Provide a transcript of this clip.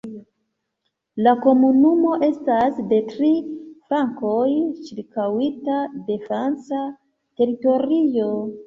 La komunumo estas de tri flankoj ĉirkaŭita de franca teritorio.